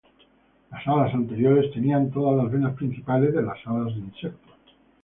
Las alas anteriores tenían todas las venas principales de las alas de insectos.